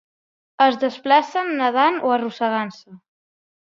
Es desplacen nedant o arrossegant-se.